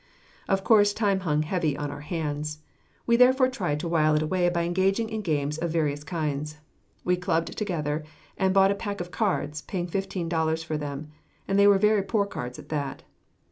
Of course time hung heavy on our hands. We therefore tried to while it away by engaging in games of various kinds. We clubbed together and bought a pack of cards, paying fifteen dollars for them, and they were very poor cards at that.